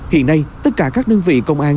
hiện nay tất cả các đơn vị công an